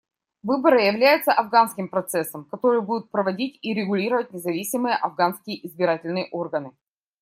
Выборы являются афганским процессом, который будут проводить и регулировать независимые афганские избирательные органы.